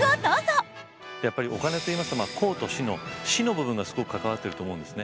やっぱりお金といいますと公と私の私の部分がすごく関わってると思うんですね。